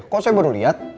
kok saya baru lihat